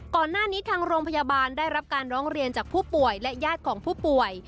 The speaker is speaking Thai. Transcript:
ก่อนหน้านี้ทางโรงพยาบาลได้รับการร้องเรียนจากผู้ป่วยและญาติของผู้ป่วย